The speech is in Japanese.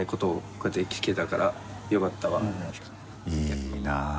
いいなぁ。